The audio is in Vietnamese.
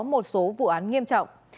một số vụ án nghiêm trọng